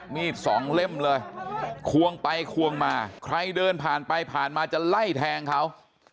สองเล่มเลยควงไปควงมาใครเดินผ่านไปผ่านมาจะไล่แทงเขา